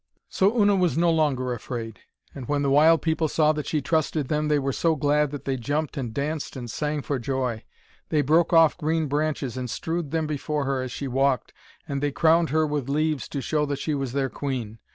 So Una was no longer afraid, and when the wild people saw that she trusted them, they were so glad that they jumped and danced and sang for joy. They broke off green branches and strewed them before her as she walked, and they crowned her with leaves to show that she was their queen.